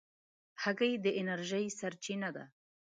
هګۍ د انرژۍ سرچینه ده.